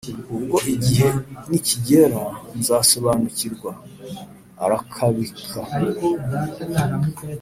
ubwo igihe nikigera nzasobanukirwa"arakabika.